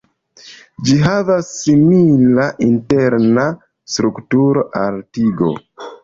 Ĝi havas simila interna strukturo al tigo.